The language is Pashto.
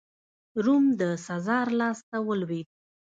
روم د سزار لاسته ولوېد.